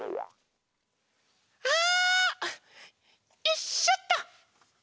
よいしょっと。